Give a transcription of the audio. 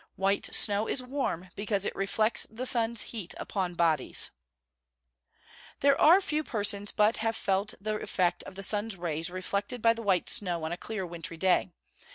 White snow is warm, because it reflects the sun's heat upon bodies. There are few persons but have felt the effect of the sun's rays reflected by the white snow on a clear wintry day.